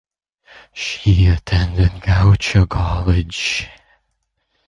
She attended Goucher College.